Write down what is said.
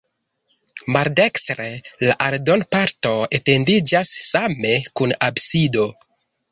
Maldekstre la aldonparto etendiĝas same kun absido.